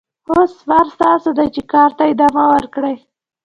اوس وار ستاسو دی چې کار ته ادامه ورکړئ.